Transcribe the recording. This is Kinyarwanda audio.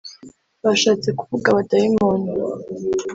Bashatse kuvuga abadayimoni